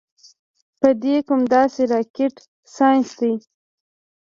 پۀ دې کوم داسې راکټ سائنس دے -